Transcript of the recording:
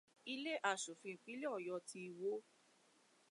Ilé aṣòfin ìpínlẹ̀ Ọ̀yọ́ ti wó.